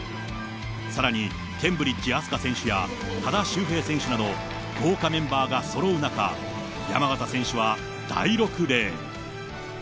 さらにケンブリッジ飛鳥選手や多田修平選手など、豪華メンバーがそろう中、山縣選手は第６レーン。